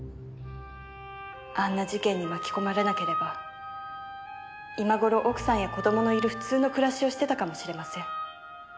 あんな事件に巻き込まれなければ今頃奥さんや子どものいる普通の暮らしをしてたかもしれません。